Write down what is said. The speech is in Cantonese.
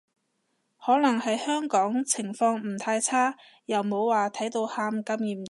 可能喺香港情況唔太差，又冇話睇到喊咁嚴重